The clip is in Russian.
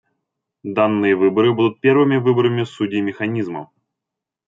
Данные выборы будут первыми выборами судей Механизма.